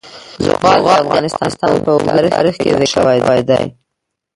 زغال د افغانستان په اوږده تاریخ کې ذکر شوی دی.